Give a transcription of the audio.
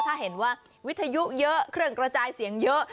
ถ้าเห็นว่าวิทยุเยอะเครื่องกระจายเสียงเยอะ